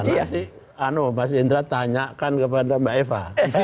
nanti mas indra tanyakan kepada mbak eva